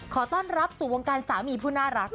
ขอต้อนรับสู่วงการสามีผู้น่ารัก